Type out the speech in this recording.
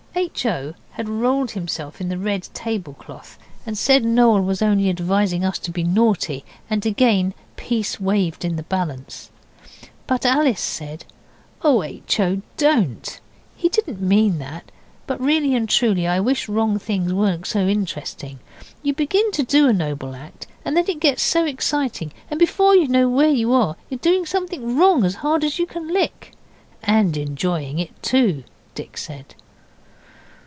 H. O. had rolled himself in the red tablecloth and said Noel was only advising us to be naughty, and again peace waved in the balance. But Alice said, 'Oh, H. O., DON'T he didn't mean that; but really and truly, I wish wrong things weren't so interesting. You begin to do a noble act, and then it gets so exciting, and before you know where you are you are doing something wrong as hard as you can lick.' 'And enjoying it too' Dick said.